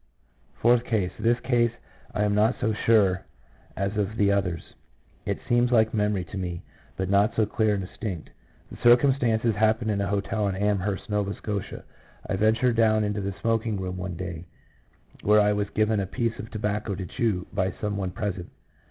Fourth case. This case I am not so sure of as the others; it seems like memory to me, but not so clear and distinct. The circumstances happened in a hotel in Amherst, Nova Scotia. I ventured down into the smoking room one day, where I was given a piece of tobacco to chew by some one present.